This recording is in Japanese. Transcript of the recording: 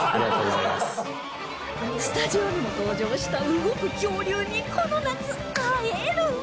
スタジオにも登場した動く恐竜にこの夏会える！